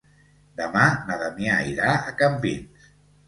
Demà na Damià irà a Campins.